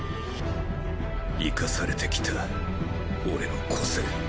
生かされてきた俺の個性